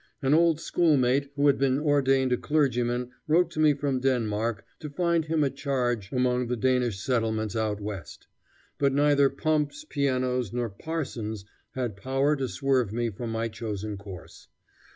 An old schoolmate who had been ordained a clergyman wrote to me from Denmark to find him a charge among the Danish settlements out West. But neither pumps, pianos, nor parsons had power to swerve me from my chosen course.